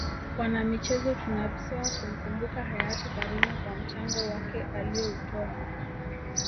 Wanamichezo tunapswa kumkumbuka Hayati Karume kwa mchango wake alioutoa